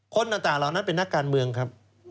คนต่างเหล่านั้นเป็นนักการเมืองครับ